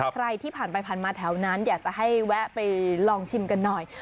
ใครที่ผ่านไปผ่านมาแถวนั้นอยากจะให้แวะไปลองชิมกันหน่อย